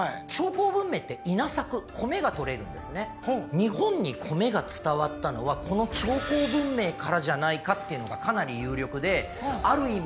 日本に米が伝わったのはこの長江文明からじゃないかっていうのがかなり有力である意味